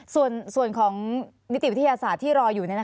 ส่วนของนิติวิทยาศาสตร์ที่รออยู่